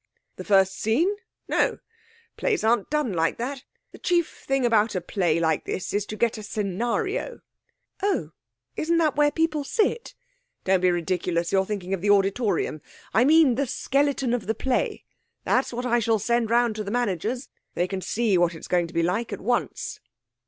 'The first scene? No! Plays aren't done like that. The chief thing about a play like this is to get a scenario.' 'Oh! Isn't that where the people sit?' 'Don't be ridiculous! You're thinking of the auditorium. I mean the skeleton of the play. That's what I shall send round to the managers. They can see what it's going to be like at once.'